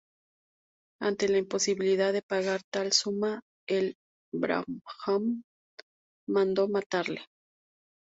Ante la imposibilidad de pagar tal suma, el brahmán mandó matarle.